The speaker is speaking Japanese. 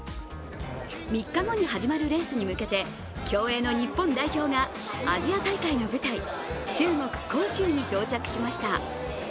３日後に始まるレースに向けて競泳の日本代表がアジア大会の舞台、中国・杭州に到着しました。